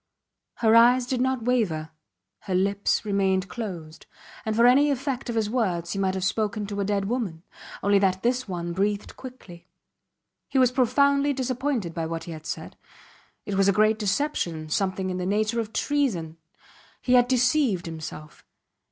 Her eyes did not waver, her lips remained closed; and for any effect of his words he might have spoken to a dead woman, only that this one breathed quickly. He was profoundly disappointed by what he had said. It was a great deception, something in the nature of treason. He had deceived himself.